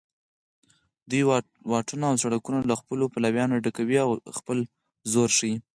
دوی واټونه او سړکونه له خپلو پلویانو ډکوي او خپل زور ښیي